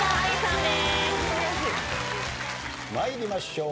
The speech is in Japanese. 参りましょう。